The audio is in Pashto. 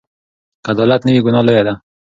که عدالت نه وي، ګناه لویه ده.